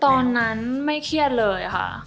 ตอนนั้นไม่เครียดเลยค่ะ